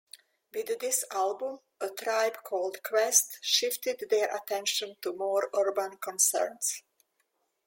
With this album, A Tribe Called Quest "shifted their attention to more urban concerns".